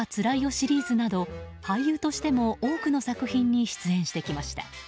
シリーズなど俳優としても多くの作品に出演してきました。